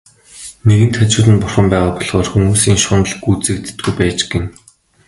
Нэгэнт хажууд нь Бурхан байгаа болохоор хүмүүсийн шунал гүйцэгддэггүй байж гэнэ.